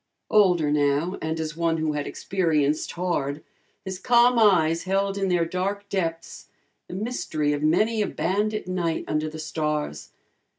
Older now, and as one who had experienced hard, his calm eyes held in their dark depths the mystery of many a bandit night under the stars.